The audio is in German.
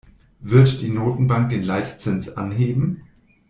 Wird die Notenbank den Leitzins anheben?